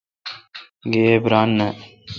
گیب ران نان۔